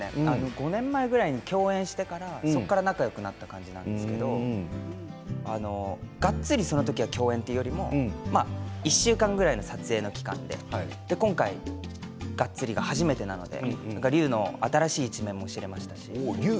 ５年前ぐらいから共演してからすごい仲よくなったんですけれどその時はがっつり共演というよりも１週間ぐらいの撮影の期間で今回、がっつりが初めてなので隆の新しい一面も知れましたし。